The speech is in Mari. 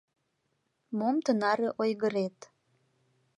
Мом тынаре ойгырет